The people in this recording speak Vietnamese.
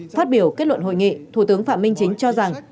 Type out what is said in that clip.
phát biểu kết luận hội nghị thủ tướng phạm minh chính cho rằng